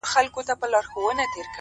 هغه نجلۍ مي اوس پوښتنه هر ساعت کوي!